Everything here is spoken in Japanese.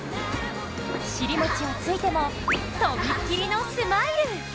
尻餅をついてもとびきりのスマイル。